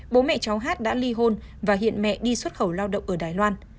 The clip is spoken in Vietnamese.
bố mẹ cháu hát đã ly hôn và hiện mẹ đi xuất khẩu lao động ở đài loan